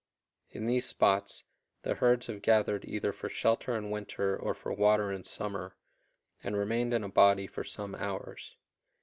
In these spots the herds have gathered either for shelter in winter or for water in summer, and remained in a body for some hours.